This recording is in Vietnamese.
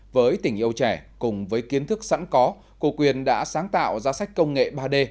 với tình yêu trẻ cùng với kiến thức sẵn có cô quyên đã sáng tạo ra sách công nghệ ba d